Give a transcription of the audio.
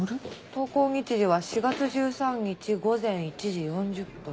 投稿日時は４月１３日午前１時４０分。